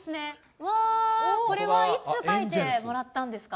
うわぁ、これはいつ書いてもらったんですか。